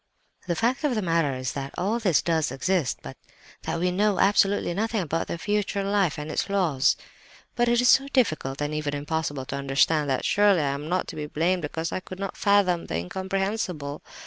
"The fact of the matter is that all this does exist, but that we know absolutely nothing about the future life and its laws! "But it is so difficult, and even impossible to understand, that surely I am not to be blamed because I could not fathom the incomprehensible?